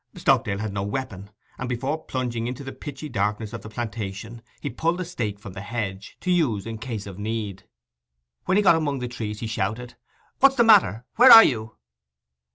Stockdale had no weapon, and before plunging into the pitchy darkness of the plantation he pulled a stake from the hedge, to use in case of need. When he got among the trees he shouted—'What's the matter—where are you?